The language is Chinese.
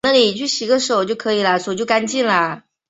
只有梁王耶律雅里及天祚帝长女乘军乱逃去。